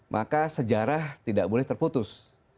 maka sejarah tidak boleh terputus